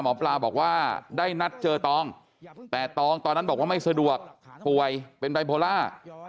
หมอปลาบอกว่าได้นัดเจอตองแต่ตองตอนนั้นบอกว่าไม่สะดวกป่วยเป็นไบโพล่า